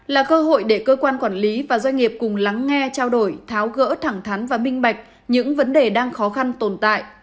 là cơ hội để cơ quan quản lý và doanh nghiệp cùng lắng nghe trao đổi tháo gỡ thẳng thắn và minh bạch những vấn đề đang khó khăn tồn tại